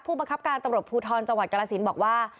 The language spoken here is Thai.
บังคับการตำรวจภูทรจังหวัดกรสินบอกว่า